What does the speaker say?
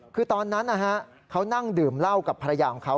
คือตอนนั้นเขานั่งดื่มเหล้ากับภรรยาของเขา